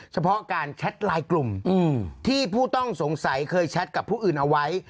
เฉพาะการแชทไลน์กลุ่มที่ผู้ต้องสงสัยเคยแชทกับผู้อื่นเอาไว้